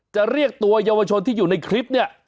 เรียกตัวเยาวชนที่อยู่ในคลิปเนี่ย